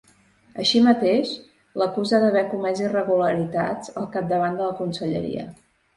Així mateix, l’acusa d’haver comès irregularitats al capdavant de la conselleria.